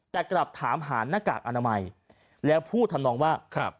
แต่กลับถามหาหน้ากากอนามัยแล้วพูดทำนองว่าครับ